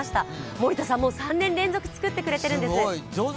森田さん、もう３年連続、作ってくれてるんです。